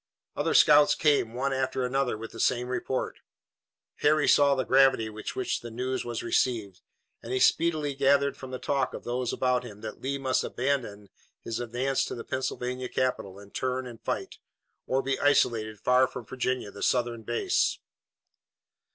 Other scouts came, one after another, with the same report. Harry saw the gravity with which the news was received, and he speedily gathered from the talk of those about him that Lee must abandon his advance to the Pennsylvania capital and turn and fight, or be isolated far from Virginia, the Southern base.